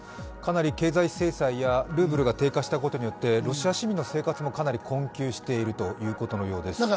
かなり経済制裁やルーブルが低下したことによってロシア市民の生活もかなり困窮しているということのようです。